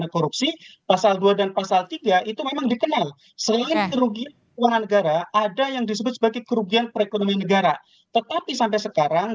kerugian keuangan negara ada yang disebut sebagai kerugian perekonomian negara tetapi sampai sekarang